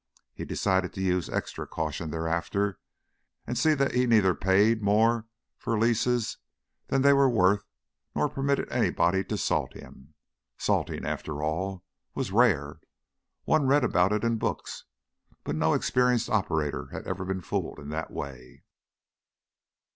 He decided to use extra caution thereafter and see that he neither paid more for leases than they were worth nor permitted anybody to "salt" him. Salting, after all, was rare; one read about it in books, but no experienced operator had ever been fooled in that way.